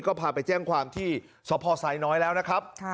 ก็พาไปแจ้งความที่สพไซน้อยแล้วนะครับ